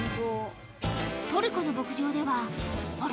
トルコの牧場ではあれ？